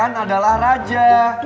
pelanggan adalah raja